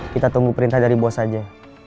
kita tunggu perintah dari bos saja